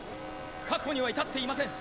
確保には至っていません。